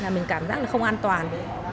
là mình cảm giác là không an toàn